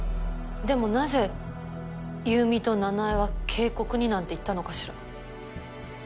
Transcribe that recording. でもなぜ優美と奈々江は渓谷になんて行ったのかしら？